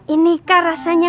ini kan rasanya